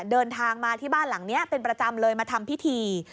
เดินทางมาที่บ้านหลังนี้เป็นประจำเลยมาทำพิธี